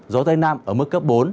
gió tây nam ở mức cấp bốn